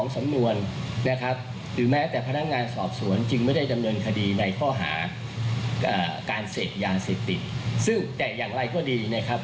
ซึ่งแต่อย่างไรก็ดีนะครับ